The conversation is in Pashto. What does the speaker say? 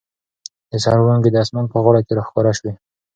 د سهار وړانګې د اسمان په غاړه کې را ښکاره شوې.